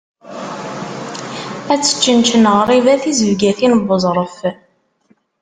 Ad teččenčen ɣriba tizebgatin n uẓref.